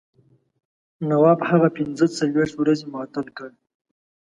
نواب هغه پنځه څلوېښت ورځې معطل کړ.